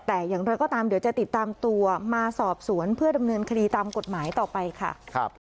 แต่อย่างไรก็ตามเดี๋ยวจะติดตามตัวมาสอบสวนเพื่อดำเนินคดีตามกฎหมายต่อไปค่ะ